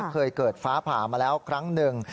เคยเกิดฟ้าผ่ามาแล้วครั้งหนึ่ง